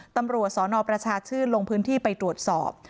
ตำรวจสนประชาชื่นลงพื้นที่ไปตรวจสอบ